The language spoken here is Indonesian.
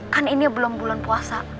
kan ini belum bulan puasa